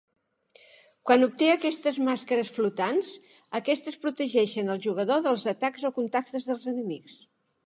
Quan obté aquestes màscares flotants, aquestes protegeixen al jugador dels atacs o contactes dels enemics.